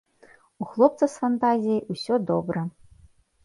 У хлопца з фантазіяй усё добра.